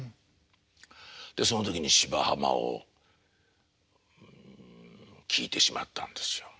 でその時に「芝浜」を聴いてしまったんですよ。